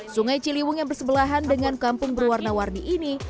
sungai ciliwung yang bersebelahan dengan kampung berwarna warni ini